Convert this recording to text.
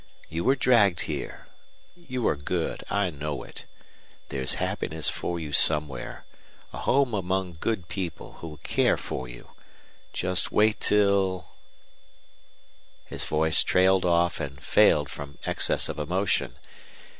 You were dragged here. You are good I know it. There's happiness for you somewhere a home among good people who will care for you. Just wait till " His voice trailed off and failed from excess of emotion.